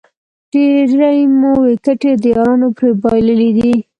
ډېرې مو وېکټې د یارانو پرې بایللې دي